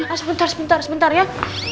ah sebentar sebentar sebentar ya